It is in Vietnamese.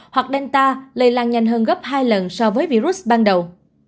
hoặc delta lây lan nhanh hơn gấp hai lần so với virus ban đầu